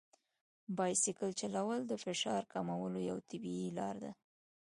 بایسکل چلول د فشار کمولو یوه طبیعي لار ده.